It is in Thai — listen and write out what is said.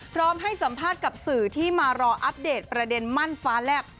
พร้อมให้สัมภาษณ์กับสื่อที่มารออัปเดตประเด็นมั่นฟ้าแลบ